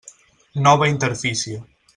Nova interfície.